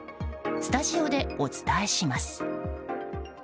スタジオでお伝えします。